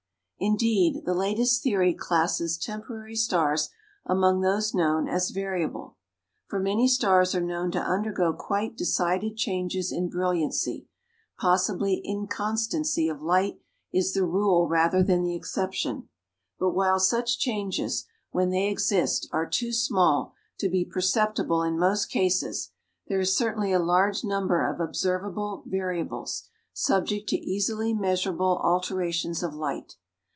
Indeed, the latest theory classes temporary stars among those known as variable. For many stars are known to undergo quite decided changes in brilliancy; possibly inconstancy of light is the rule rather than the exception. But while such changes, when they exist, are too small to be perceptible in most cases, there is certainly a large number of observable variables, subject to easily measurable alterations of light.